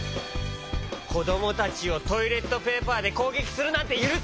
こどもたちをトイレットペーパーでこうげきするなんてゆるせない！